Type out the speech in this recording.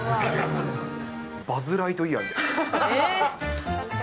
バズ・ライトイヤーみたい。